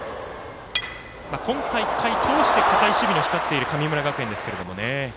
今大会通して堅い守備の光っている神村学園ですけれども。